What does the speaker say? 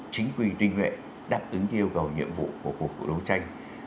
chính quy tinh nguyện đáp ứng yêu cầu nhiệm vụ của cuộc đấu tranh